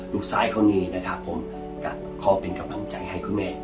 ซ้ายเขามีนะครับผมก็ขอเป็นกำลังใจให้คุณแม่